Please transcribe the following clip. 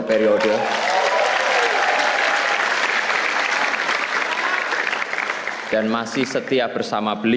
terima kasih kepada setelah pertama kali